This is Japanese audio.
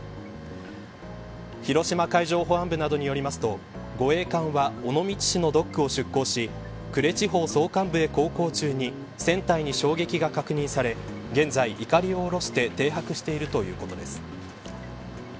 広島海上保安部などによりますと護衛艦は尾道市のドックを出港し呉地方総監部へ航行中に船体に衝撃が確認され現在、いかりを下ろして停泊しているということです。